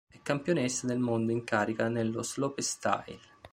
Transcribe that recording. È campionessa del mondo in carica nello slopestyle.